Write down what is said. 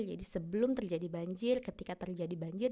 jadi sebelum terjadi banjir ketika terjadi banjir